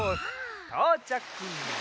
とうちゃく。